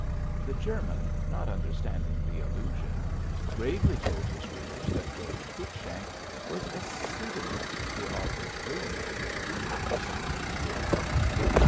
The German, not understanding the allusion, gravely told his readers that George Cruikshank was a pseudonym, the author's real name being Simon Pure."